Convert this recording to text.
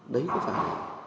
đấy có phải